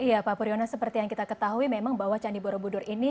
iya pak puriona seperti yang kita ketahui memang bahwa candi buru budur ini